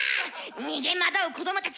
逃げ惑う子どもたち。